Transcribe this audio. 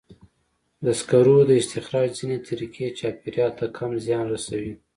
د سکرو د استخراج ځینې طریقې چاپېریال ته کم زیان رسوي.